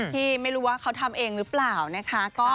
ที่ไม่รู้ว่าเขาทำเองหรือเปล่านะคะ